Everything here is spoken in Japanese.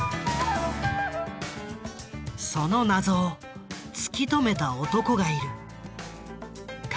その謎を突き止めた男がいる。